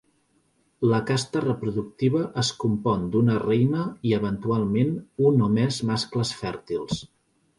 La casta reproductiva es compon d'una reina i eventualment un o més mascles fèrtils.